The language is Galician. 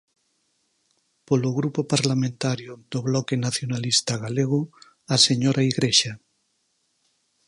Polo Grupo Parlamentario do Bloque Nacionalista Galego, a señora Igrexa.